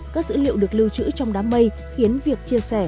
các dữ liệu được lưu trữ trong đám mây khiến việc chia sẻ